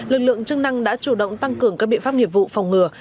lực lượng chức năng đã chủ động tăng cường các biện pháp nghiệp vụ phòng ngừa